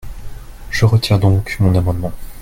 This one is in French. Je retire donc mon amendement.